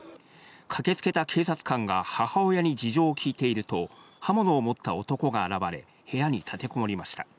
駆けつけた警察官が母親に事情を聞いていると刃物を持った男が現れ、部屋に立てこもりました。